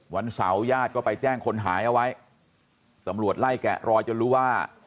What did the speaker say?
วันเสาร์ญาติก็ไปแจ้งคนหายเอาไว้ตำรวจไล่แกะรอยจนรู้ว่า